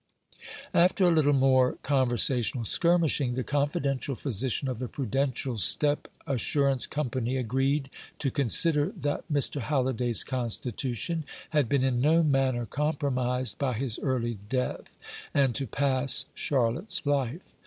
After a little more conversational skirmishing, the confidential physician of the Prudential Step Assurance Company agreed to consider that Mr. Halliday's constitution had been in no manner compromised by his early death, and to pass Charlotte's life.